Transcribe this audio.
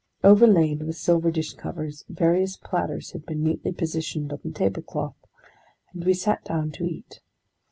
Overlaid with silver dish covers, various platters had been neatly positioned on the table cloth, and we sat down to eat.